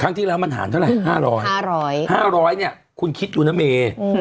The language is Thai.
ครั้งที่แล้วมันหารเท่าไรห้าร้อยห้าร้อยห้าร้อยเนี้ยคุณคิดอยู่นะเมอืม